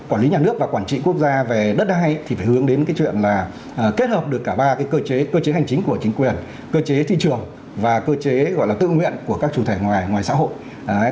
quản lý nhà nước và quản trị quốc gia về đất đai thì phải hướng đến cái chuyện là kết hợp được cả ba cái cơ chế cơ chế hành chính của chính quyền cơ chế thị trường và cơ chế gọi là tự nguyện của các chủ thể ngoài ngoài xã hội